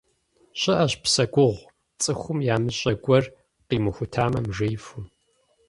Щыӏэщ псэ гугъу, цӏыхум ямыщӏэ гуэр къимыхутамэ, мыжеифу.